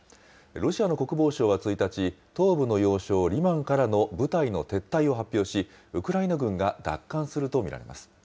ロシアの国防省は１日、東部の要衝リマンからの部隊の撤退を発表し、ウクライナ軍が奪還すると見られます。